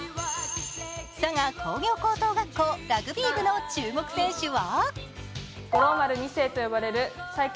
佐賀工業高等学校ラグビー部の注目選手は？